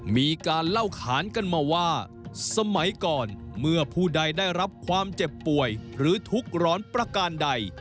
มีการเล่าขานกันมาว่าสมัยก่อนเมื่อผู้ใดได้รับความเจ็บป่วยหรือทุกข์ร้อนประการใด